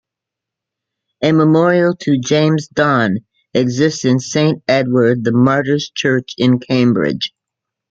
A memorial to James Donn, exists on Saint Edward the Martyr's church in Cambridge.